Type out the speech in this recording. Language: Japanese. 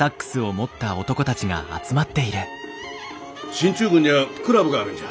進駐軍にゃあクラブがあるんじゃ。